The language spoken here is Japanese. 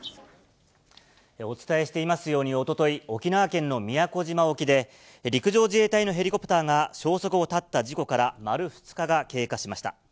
お伝えしていますように、おととい、沖縄県の宮古島沖で、陸上自衛隊のヘリコプターが消息を絶った事故から丸２日が経過しました。